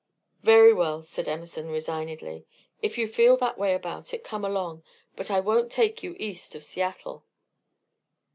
"Very well," said Emerson, resignedly, "If you feel that way about it, come along; but I won't take you east of Seattle."